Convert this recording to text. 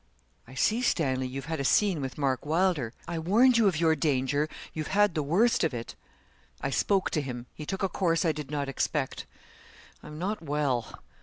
'I see, Stanley, you've had a scene with Mark Wylder; I warned you of your danger you have had the worst of it.' 'I spoke to him. He took a course I did not expect. I'm not well.'